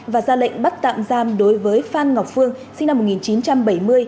và ra lệnh bắt tạm giam đối với phan ngọc phương sinh năm một nghìn chín trăm bảy mươi